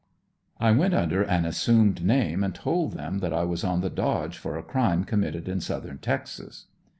I went under an assumed name and told them that I was on the "dodge" for a crime committed in Southern Texas.